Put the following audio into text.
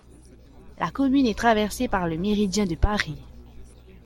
La commune est traversée par le méridien de Paris.